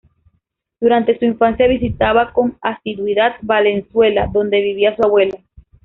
Durante su infancia visitaba con asiduidad Valenzuela, donde vivía su abuela.